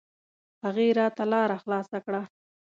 هغې راته لاره خلاصه کړه.